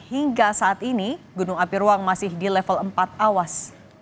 hingga saat ini gunung api ruang masih di level empat awas